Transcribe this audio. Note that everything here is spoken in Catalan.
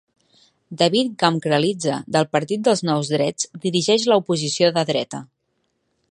David Gamkrelidze del Partit dels Nous Drets dirigeix la oposició de dreta.